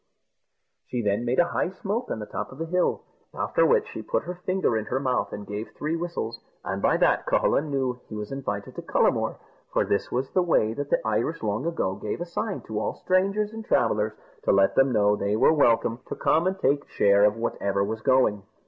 She then made a high smoke on the top of the hill, after which she put her finger in her mouth, and gave three whistles, and by that Cucullin knew he was invited to Cullamore for this was the way that the Irish long ago gave a sign to all strangers and travellers, to let them know they were welcome to come and take share of whatever was going.